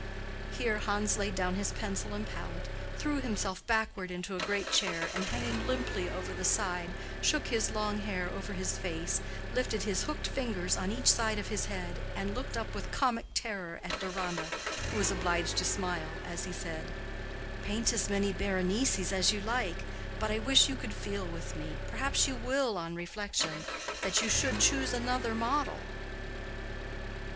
Here Hans laid down his pencil and palette, threw himself backward into a great chair, and hanging limply over the side, shook his long hair over his face, lifted his hooked fingers on each side his head, and looked up with comic terror at Deronda, who was obliged to smile, as he said, "Paint as many Berenices as you like, but I wish you could feel with me—perhaps you will, on reflection—that you should choose another model."